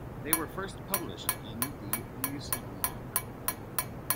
They were first published in the "Musenalmanach".